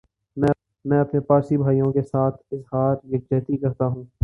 میں اپنے پارسی بھائیوں کیساتھ اظہار یک جہتی کرتا ھوں